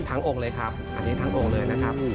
องค์เลยครับอันนี้ทั้งองค์เลยนะครับ